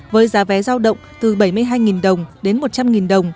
với giá vé giao động từ bảy mươi hai đồng đến một trăm linh đồng